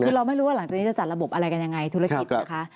คือเราไม่รู้ว่าหลังจากนี้จะจัดระบบอะไรกันยังไงธุรกิจนะคะ